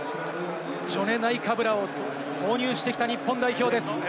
ジョネ・ナイカブラを投入してきた日本代表です。